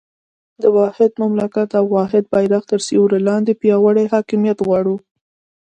د واحد مملکت او واحد بېرغ تر سیوري لاندې پیاوړی حاکمیت غواړو.